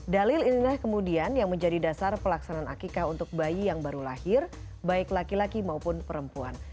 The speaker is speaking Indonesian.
dalil inilah kemudian yang menjadi dasar pelaksanaan akikah untuk bayi yang baru lahir baik laki laki maupun perempuan